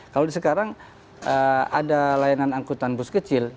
kalau sekarang ada layanan angkutan bus kecil